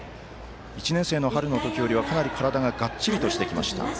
１年生の春のときよりはかなり体ががっちりしてきました。